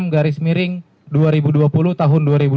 garis miring dua ribu dua puluh tahun dua ribu dua puluh